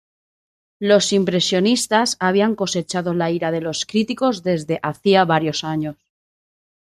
Los impresionistas habían cosechado la ira de los críticos desde hacía varios años.